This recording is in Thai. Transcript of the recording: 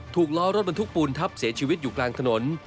ล้อรถบรรทุกปูนทับเสียชีวิตอยู่กลางถนน